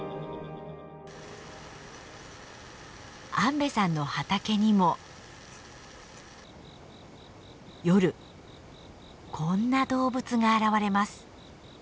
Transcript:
安部さんの畑にも夜こんな動物が現れます。